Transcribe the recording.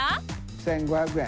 １５００円。